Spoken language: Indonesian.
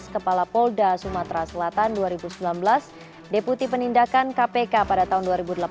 kepala polda sumatera selatan dua ribu sembilan belas deputi penindakan kpk pada tahun dua ribu delapan belas